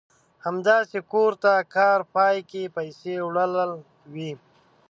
همداسې کور ته د کار پای کې پيسې وړل وي.